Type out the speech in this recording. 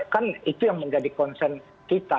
kan itu yang menjadi konsen kita